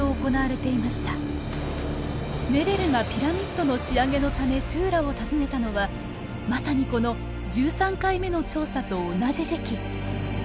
メレルがピラミッドの仕上げのためトゥーラを訪ねたのはまさにこの１３回目の調査と同じ時期。